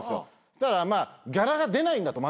そしたらギャラが出ないんだと。